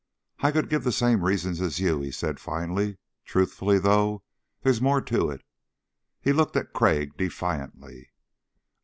"I could give the same reasons as you," he said finally. "Truthfully, though, there's more to it." He looked at Crag defiantly.